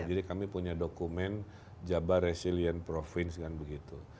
jadi kami punya dokumen jabar resilien provinsi kan begitu